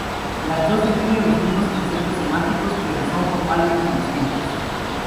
Las dos definen los mismos conceptos semánticos pero son formalmente distintas.